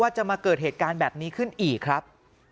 จะมาเกิดเหตุการณ์แบบนี้ขึ้นอีกครับ